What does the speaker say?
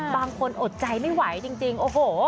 บางคนอดใจไม่ไหวจริงโอ้โฮ